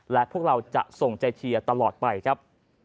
และพวกเราจะส่งใจเชียร์ตลอดไปครับ